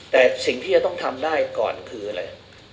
แต่สิ่งที่จะต้องทำได้ก่อนคืออะไร